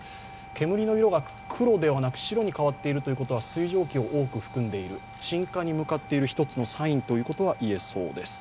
煙の色が黒ではなく白に変わっているということですが水蒸気を多く含んでいる鎮火に向かっている一つののサインということが言えそうです。